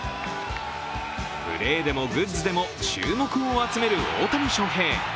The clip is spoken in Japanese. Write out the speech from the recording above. プレーでもグッズでも注目を集める大谷翔平。